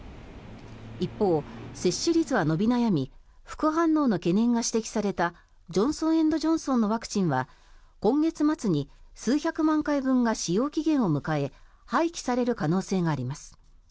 一方、接種率は伸び悩み副反応の懸念が指摘されたジョンソン・エンド・ジョンソンのワクチンは今月末に数百万回分が使用期限を迎え廃棄される可能性があります。